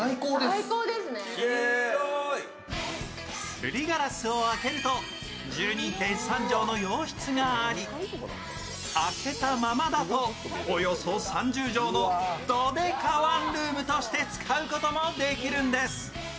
すりガラスを開けると１２．３畳の洋室があり、開けたままだとおよそ３０畳のドデカワンルームとして使うこともできるんです。